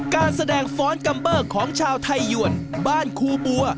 การแสดงฟ้อนกัมเบอร์ของชาวไทยหยวนบ้านครูบัว